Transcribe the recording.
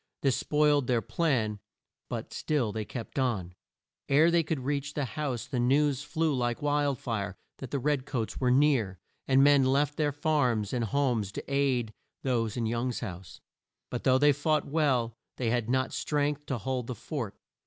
This spoiled their plan, but still they kept on. Ere they could reach the house, the news flew like wild fire that the red coats were near, and men left their farms and homes to aid those in Young's house. But though they fought well, they had not strength to hold the fort.